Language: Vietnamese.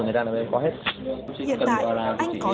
nhân hàng nhiều khi là nó